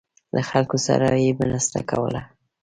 له خلکو سره به یې مرسته کوله.